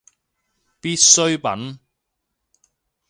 必需品